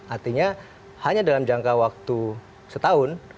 artinya hanya dalam jangka waktu setahun